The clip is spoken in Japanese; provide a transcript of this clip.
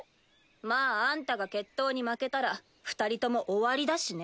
まああんたが決闘に負けたら二人とも終わりだしね。